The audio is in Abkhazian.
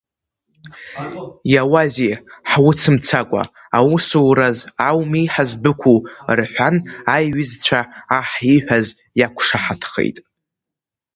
Иауазеи ҳуцымцакәа, аусуразы ауми, ҳаздәықәу, — рҳәан, аиҩызцәа аҳ ииҳәаз иақәшаҳаҭхеит.